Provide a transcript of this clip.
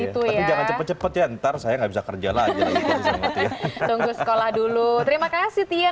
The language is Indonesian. dapet gitu ya cepet cepet ya ntar saya nggak bisa kerja lagi tunggu sekolah dulu terima kasih tia